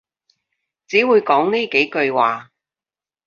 只會講呢幾句話